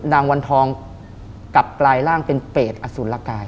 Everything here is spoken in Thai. วันทองกลับกลายร่างเป็นเปรตอสุรกาย